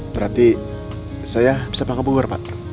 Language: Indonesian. berarti saya bisa panggil keluar pak